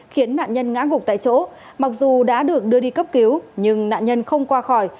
khiến nạn nhân ngã gục tại chỗ mặc dù đã được đưa đi cấp cứu nhưng nạn nhân không qua khỏi